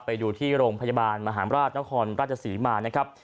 ไปดูที่โรงพยาบาลมหาราชนครราชศรีมานะครับ